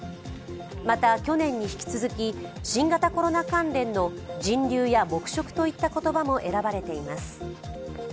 また、去年に引き続き新型コロナ関連の人流や黙食といった言葉も選ばれています。